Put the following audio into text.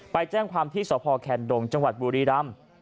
ไปแจ้งความที่สพแคนดงจังหวัดบุรีรำ